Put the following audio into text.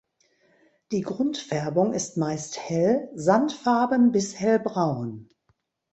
Die Grundfärbung ist meist hell sandfarben bis hellbraun.